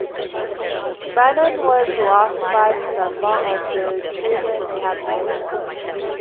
Brannan was the last surviving member of the Truman Cabinet.